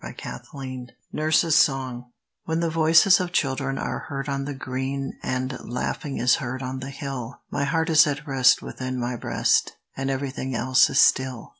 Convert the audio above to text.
57 RAINBOW GOLD NURSE'S SONG WHEN the voices of children are heard on the green And laughing is heard on the hill, My heart is at rest within my breast, And everything else is still.